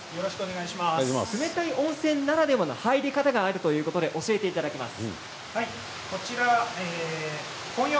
冷たい温泉ならではの入り方があるということで教えていただきます。